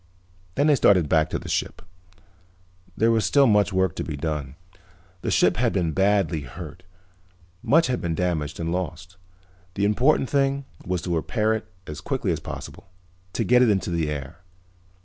Then they started back to the ship. There was still much work to be done. The ship had been badly hurt, much had been damaged and lost. The important thing was to repair it as quickly as possible, to get it into the air.